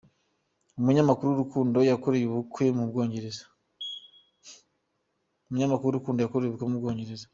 Umunyamakuru Rukundo yakoreye ubukwe mu Bwongereza